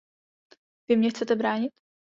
Vy mně chcete bránit?